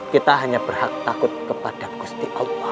kita hanya berhak takut kepada gusti allah